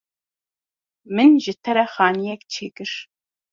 Min ji te re xaniyek çêkir.